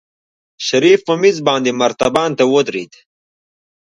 شريف په مېز باندې مرتبان ته ودرېد.